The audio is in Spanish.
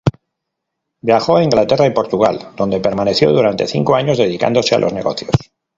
Viajó a Inglaterra y Portugal, donde permaneció durante cinco años dedicándose a los negocios.